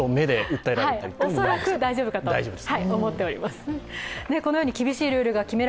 恐らく大丈夫かと思っています。